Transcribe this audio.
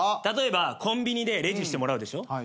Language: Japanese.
例えばコンビニでレジしてもらうでしょ？